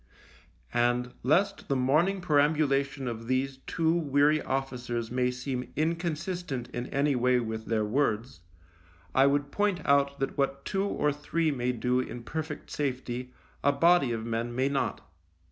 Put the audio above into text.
And, lest the morning perambulation of these two weary officers may seem incon 28 THE LIEUTENANT sistent in any way with their words, I would point out that what two or three may do in perfect safety a body of men may not.